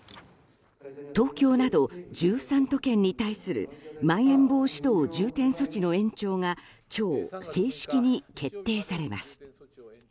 東京など１３都県に対するまん延防止等重点措置の延長が今日、正式に決定されます。